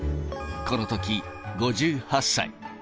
このとき５８歳。